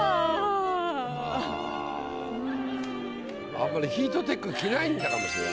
あんまりヒートテック着ないんだかもしれないね。